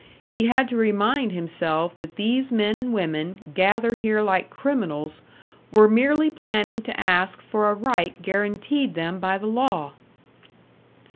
He had to remind himself that these men and women, gathered here like criminals, were merely planning to ask for a right guaranteed them by the law!